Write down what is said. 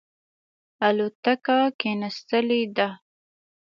الوتکه کښېنستلې ده.